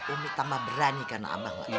umi tambah berani karena abah